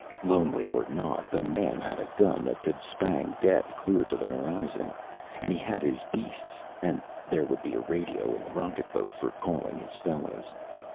Lonely or not, the man had a gun that could spang death clear to the horizon, and he had his beasts, and there would be a radio in the rocketboat for calling his fellows.